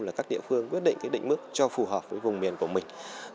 là các địa phương quyết định cái định mức cho phù hợp với vùng miền của mình